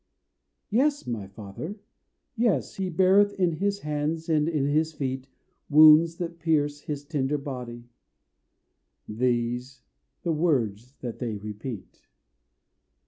"Yes, my father, yes, he beareth In his hands and in his feet Wounds that pierce his tender body." These the words that they repeat.